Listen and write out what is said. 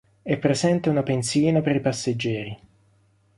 È presente una pensilina per i passeggeri.